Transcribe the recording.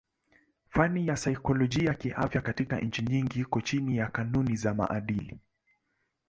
Fani ya saikolojia kiafya katika nchi nyingi iko chini ya kanuni za maadili.